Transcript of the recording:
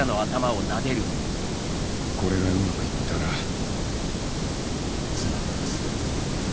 これがうまく行ったら妻に話す。